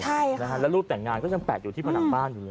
ใช่ค่ะนะฮะแล้วรูปแต่งงานก็ยังแปะอยู่ที่ผนังบ้านอยู่เลย